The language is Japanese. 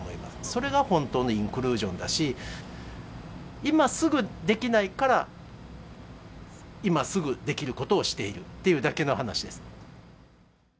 それが本当のインクルージョンだし、今すぐできないから、今すぐできることをしているっていうだけの話です。